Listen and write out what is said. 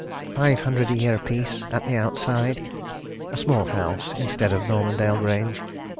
Five hundred a year apiece at the outside. A small house instead of Normandale Grange.